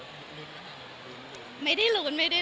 อาจจะบอกว่าไม่ใช่ตักลงนำนวง